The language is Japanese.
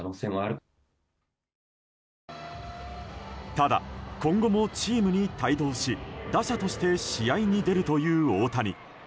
ただ、今後もチームに帯同し打者として試合に出るという大谷。